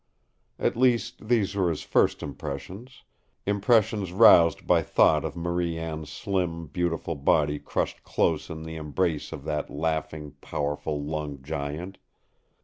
At least these were his first impressions impressions roused by thought of Marie Anne's slim, beautiful body crushed close in the embrace of that laughing, powerful lunged giant.